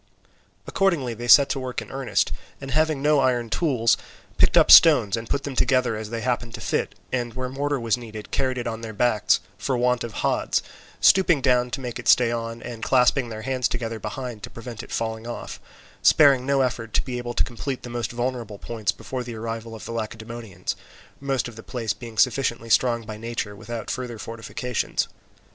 Accordingly they set to work in earnest, and having no iron tools, picked up stones, and put them together as they happened to fit, and where mortar was needed, carried it on their backs for want of hods, stooping down to make it stay on, and clasping their hands together behind to prevent it falling off; sparing no effort to be able to complete the most vulnerable points before the arrival of the Lacedaemonians, most of the place being sufficiently strong by nature without further fortifications.